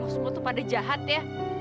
semua tuh pada jahat ya